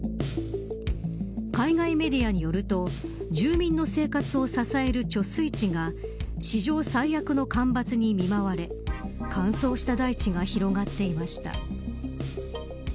海外メディアによると住民の生活を支える貯水池が史上最悪の干ばつに見舞われ乾燥した大地が広がっていました。